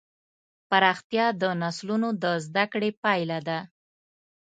پراختیا د نسلونو د زدهکړې پایله ده.